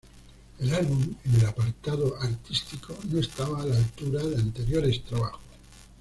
El álbum, en el apartado artístico, no estaba a la altura de anteriores trabajos.